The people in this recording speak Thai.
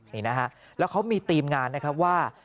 นี่นะฮะแล้วเขามีทีมงานนะครับว่า